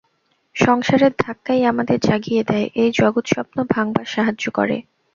সংসারের ধাক্কাই আমাদের জাগিয়ে দেয়, এই জগৎস্বপ্ন ভাঙবার সাহায্য করে।